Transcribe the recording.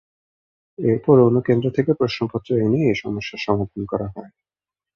এরপর অন্য কেন্দ্র থেকে প্রশ্নপত্র এনে এ সমস্যার সমাধান করা হয়।